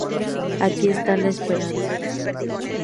Aquí está la esperanza.